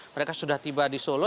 mereka sudah tiba di solo